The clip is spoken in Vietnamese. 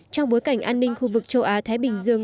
trong bối cảnh an ninh khu vực châu á thái bình dương